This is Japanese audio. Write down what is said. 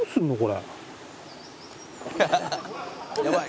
「やばい！」